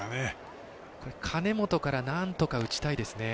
金本からなんとか打ちたいですね。